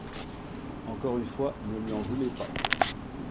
Encore une fois, ne lui en voulez pas !